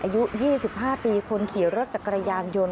อายุ๒๕ปีคนขี่รถจักรยานยนต์